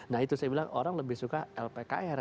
nah itu saya bilang orang lebih suka lpkr